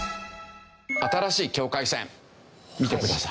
新しい境界線見てください。